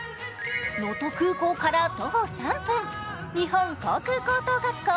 能登空港から徒歩３分、日本航空高等学校